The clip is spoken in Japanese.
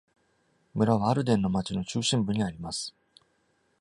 村は Alden の町の中心部にあります。